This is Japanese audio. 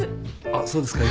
あっそうですか？